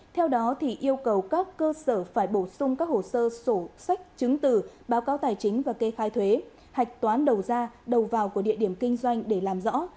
theo đó yêu cầu các cơ sở phải bổ sung các hồ sơ sổ sách chứng từ báo cáo tài chính và kê khai thuế hạch toán đầu ra đầu vào của địa điểm kinh doanh để làm rõ